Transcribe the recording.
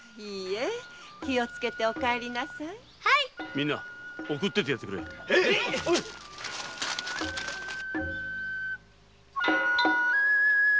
みんな送って行ってやってくれんか。